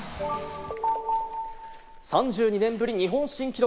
３２年ぶり日本新記録。